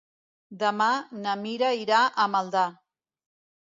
Demà na Mira irà a Maldà.